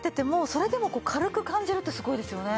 それでも軽く感じるってすごいですよね。